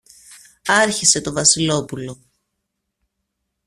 άρχισε το Βασιλόπουλο.